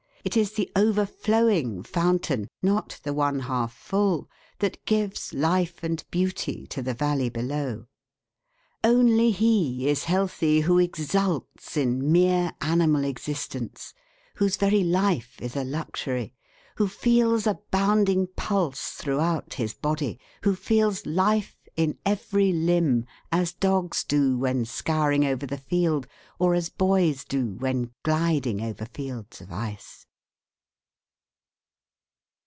It is the overflowing fountain, not the one half full, that gives life and beauty to the valley below. Only he is healthy who exults in mere animal existence; whose very life is a luxury; who feels a bounding pulse throughout his body; who feels life in every limb, as dogs do when scouring over the field, or as boys do when gliding over fields of ice.